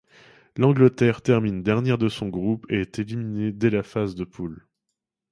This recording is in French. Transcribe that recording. L'Angleterre termine dernière de son groupe et est éliminée dès la phase de poules.